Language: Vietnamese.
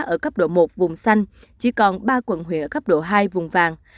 ở cấp độ một vùng xanh chỉ còn ba quận huyện ở cấp độ hai vùng vàng